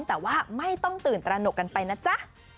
แต่ว่าไม่ต้องตื่นตระหนกกันไปนะจ๊ะ